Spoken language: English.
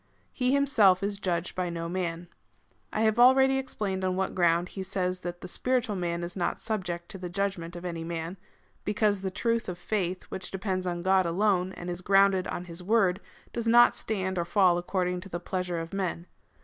He himself is judged hy no man. I have already ex plained on what ground he says that the spiritual man is not subject to the judgment of any man — because the truth of faith, which dej)ends on God alone, and is grounded on his word, does not stand or fall according to the pleasure of men.